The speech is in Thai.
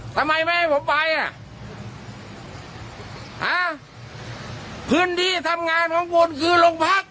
ทำไมไม่ให้ผมไปอ่ะฮะพื้นที่ทำงานของคุณคือโรงพัก